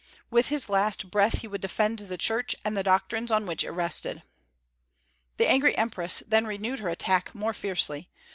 With his last breath he would defend the Church, and the doctrines on which it rested. The angry empress then renewed her attack more fiercely.